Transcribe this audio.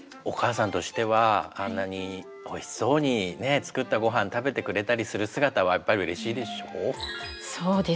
お母さんとしてはあんなにおいしそうにね作ったご飯食べてくれたりする姿はやっぱりうれしいでしょう？